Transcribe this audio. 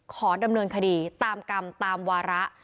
ขอดำเนินคดีตามกรรมตามวาระ